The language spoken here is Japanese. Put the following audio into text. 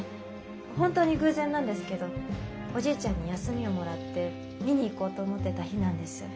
本当に偶然なんですけどおじいちゃんに休みをもらって見に行こうと思ってた日なんです。